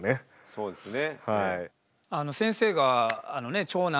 そうですね。